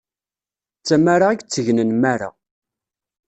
D tamara i iteggen nnmara.